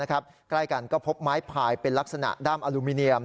ใกล้กันก็พบไม้พายเป็นลักษณะด้ามอลูมิเนียม